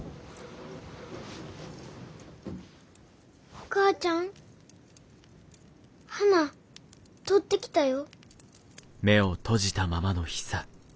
お母ちゃん花採ってきたよ。